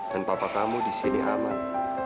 dan papa kamu di sini aman